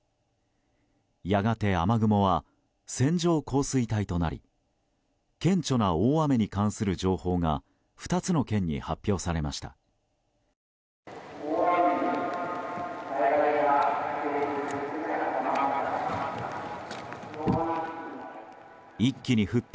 やがて、雨雲は線状降水帯となり顕著な大雨に関する情報が２つの県に発表されました。